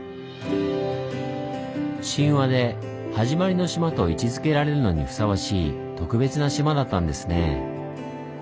神話で「はじまりの島」と位置づけられるのにふさわしい特別な島だったんですねぇ。